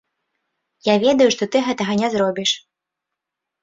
Я ведаю, што ты гэтага не зробіш.